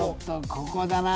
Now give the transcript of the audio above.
ここだな